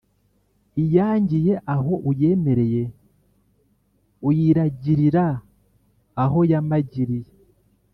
Iyangiye aho uyemereye, uyiragirira aho yamagiriye